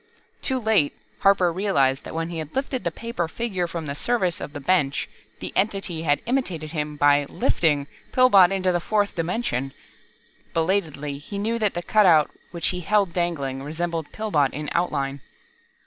Too late, Harper realized that when he had lifted the paper figure from the surface of the bench, the Entity had imitated him by "lifting" Pillbot into the fourth dimension. Belatedly, he knew that the cutout which he held dangling, resembled Pillbot in outline.